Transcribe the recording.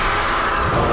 aku mau lihat